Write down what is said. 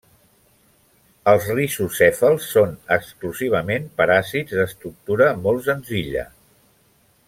Els rizocèfals són exclusivament paràsits d'estructura molt senzilla.